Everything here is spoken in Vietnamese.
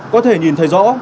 có thể nhìn thấy rõ